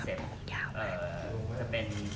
เสร็จเรียบร้อยแล้วค่ะตอนนี้ก็